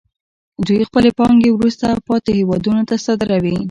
دوی خپلې پانګې وروسته پاتې هېوادونو ته صادروي